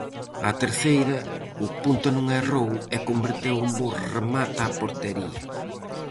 Á terceira, o punta non errou e converteu un bo remate a portería.